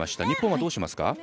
日本はどうしますか。